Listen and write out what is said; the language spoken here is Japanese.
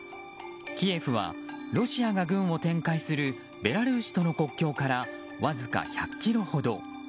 キエフはロシアが軍を展開するベラルーシとの国境からわずか１００ｋｍほど。